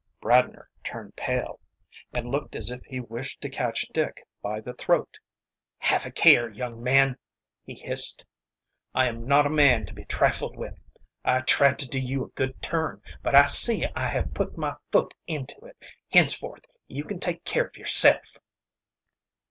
Bradner turned pale, and looked as if he wished to catch Dick by the throat. "Have a care, young man!" he hissed. "I am not a man to be trifled with. I tried to do you a good turn, but I see I have put my foot into it. Henceforth you can take care of yourself."